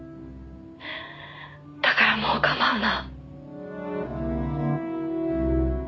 「だからもう構うな」